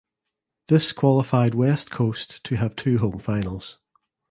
This qualified West Coast to have two home finals.